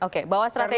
oke bahwa strategi